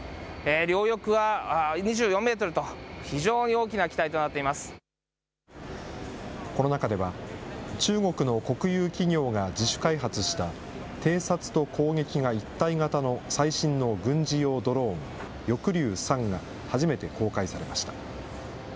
両翼は２４メートルと、この中では、中国の国有企業が自主開発した偵察と攻撃が一体型の最新の軍事用ドローン、翼竜３が、初めて公開されました。